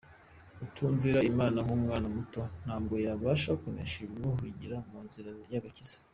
Utumvira Imana nk’umwana muto ntabwo yabasha kunesha ibimuhiga mu nzira y’agakiza.